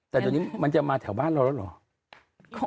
แต่ตอนนี้มันจะมาแถวบ้านเราแหละเหรอ